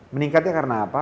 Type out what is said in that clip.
meningkatnya karena apa